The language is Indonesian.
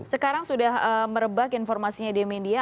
sekarang sudah merebak informasinya di media